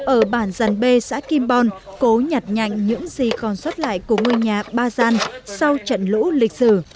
ở bản dàn b xã kim bon cô nhặt nhạnh những gì còn xuất lại của người nhà ba giang sau trận lũ lịch sử